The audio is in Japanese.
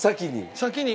先に。